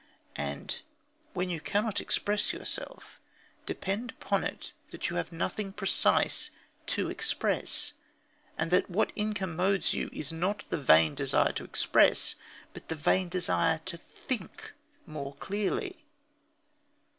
And when you cannot express yourself, depend upon it that you have nothing precise to express, and that what incommodes you is not the vain desire to express, but the vain desire to think more clearly.